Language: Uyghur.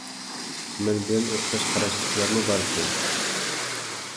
مەن بىلەن ئوخشاش قاراشتىكىلەرمۇ باركەن.